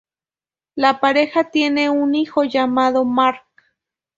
La pareja tiene un hijo llamado Mark.